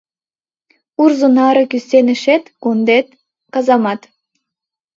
Урзо наре кӱсенешет кондет — казамат.